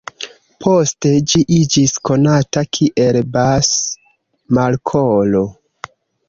Poste ĝi iĝis konata kiel Bass-Markolo.